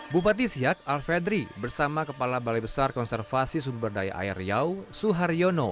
bupati siak alfedri bersama kepala balai besar konservasi sumber daya air riau suharyono